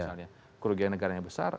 misalnya kerugian negaranya besar